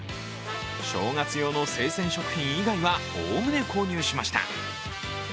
正月用の生鮮食品以外はおおむね購入しました。